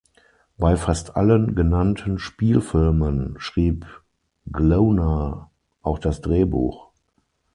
Bei fast allen genannten Spielfilmen schrieb Glowna auch das Drehbuch.